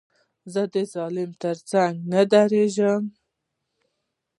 زه د ظالم تر څنګ نه درېږم.